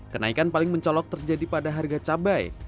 kenaikan paling mencolok terjadi pada harga cabai